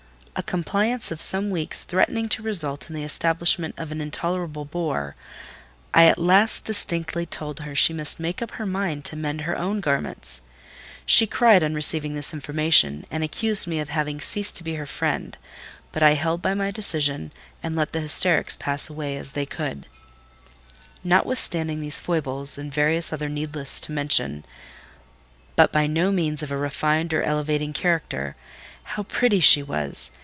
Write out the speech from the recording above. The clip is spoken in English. A compliance of some weeks threatening to result in the establishment of an intolerable bore—I at last distinctly told her she must make up her mind to mend her own garments. She cried on receiving this information, and accused me of having ceased to be her friend; but I held by my decision, and let the hysterics pass as they could. Notwithstanding these foibles, and various others needless to mention—but by no means of a refined or elevating character—how pretty she was!